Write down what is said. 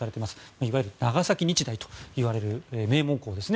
いわゆる長崎日大といわれる名門校ですね。